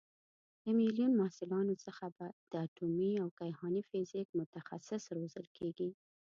له میلیون محصلانو څخه به د اټومي او کیهاني فیزیک متخصص روزل کېږي.